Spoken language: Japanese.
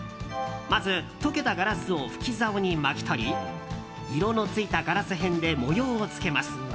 まず、溶けたガラスを吹き竿に巻き取り色のついたガラス片で模様をつけます。